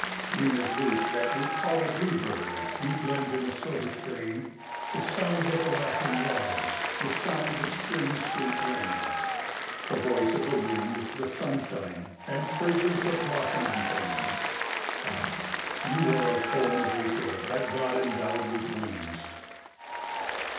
"Winged lute that we call a Bluebird, You blend in a silver strain, The sound of the laughing waters, The sound of spring's sweet rain, "The voice of the wind, the sunshine And fragrance of blossoming things. Ah, you are a poem of April That God endowed with wings."